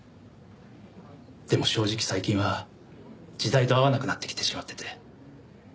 でも正直最近は時代と合わなくなってきてしまってて。